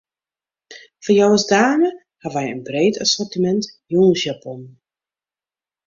Foar jo as dame hawwe wy in breed assortimint jûnsjaponnen.